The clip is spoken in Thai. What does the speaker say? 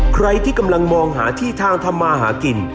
ใครที่กำลังมองหาที่ทางทำมาหากิน